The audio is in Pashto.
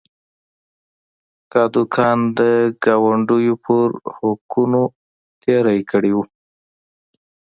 کادوګان د ګاونډیو پر حقونو تېری کړی و.